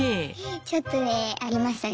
ちょっとねありましたね